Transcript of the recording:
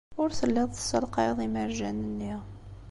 Ur telliḍ tessalqayeḍ imerjan-nni.